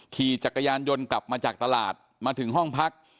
ขี่จักรยานยนต์กลับมาจากตลาดมาถึงห้องพัก